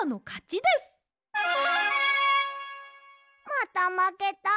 またまけた！